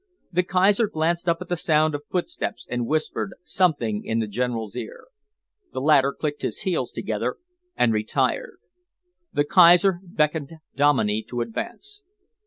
The Kaiser glanced up at the sound of footsteps and whispered something in the general's ear. The latter clicked his heels together and retired. The Kaiser beckoned Dominey to advance.